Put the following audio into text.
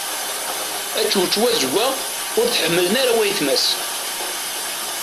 Ačewčew azewwaɣ ur t-ḥmmilen ara wayetma-s.